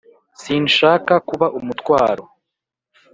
sinshaka kuba umutwaro